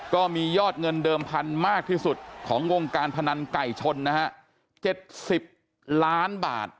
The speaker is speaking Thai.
ก็มียอดเงินเดิมพันธุ์มากที่สุดของวงการพนันไก่ชนนะฮะ๗๐ล้านบาท